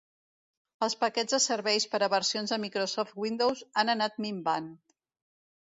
Els paquets de serveis per a versions de Microsoft Windows han anat minvant.